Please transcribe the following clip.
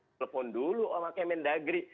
telepon dulu sama kementerian negeri